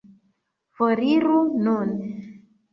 Foriru nun.